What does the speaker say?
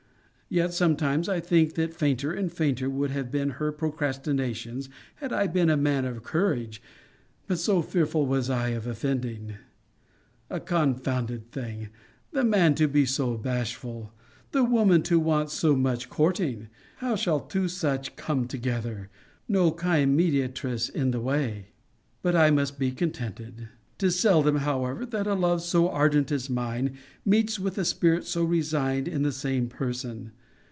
Yet sometimes I think that fainter and fainter would have been her procrastinations, had I been a man of courage but so fearful was I of offending! A confounded thing! The man to be so bashful; the woman to want so much courting! How shall two such come together no kind mediatress in the way? But I must be contented. 'Tis seldom, however, that a love so ardent as mine, meets with a spirit so resigned in the same person.